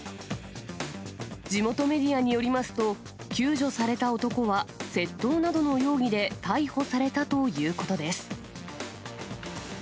地元メディアによりますと、救助された男は窃盗などの容疑で逮捕されたということです。